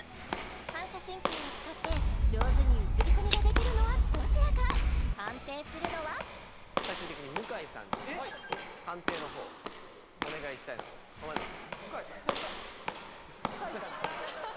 反射神経を使って上手に写り込みができるのはどちらか判定するのは最終的に向井さんにはい判定の方をお願いしたいなと思います